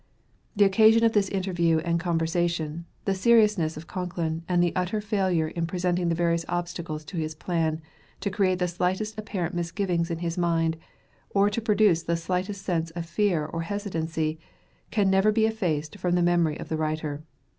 The occasion of this interview and conversation, the seriousness of Concklin and the utter failure in presenting the various obstacles to his plan, to create the slightest apparent misgiving in his mind, or to produce the slightest sense of fear or hesitancy, can never be effaced from the memory of the writer.